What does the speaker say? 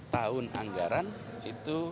tahun anggaran itu